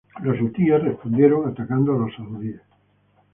Los hutíes respondieron atacando a los saudíes.